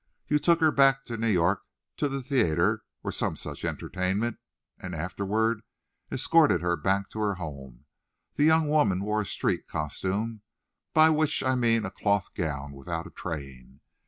You took her back to New York to the theatre or some such entertainment, and afterward escorted her back to her home. The young woman wore a street costume, by which I mean a cloth gown without a train.